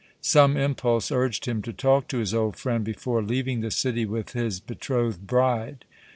Some impulse urged him to talk to his old friend before leaving the city with his betrothed bride.